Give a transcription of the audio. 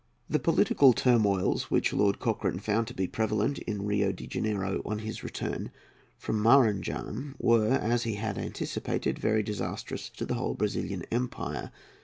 ] The political turmoils which Lord Cochrane found to be prevalent in Rio de Janeiro, on his return from Maranham, were, as he had anticipated, very disastrous to the whole Brazilian empire.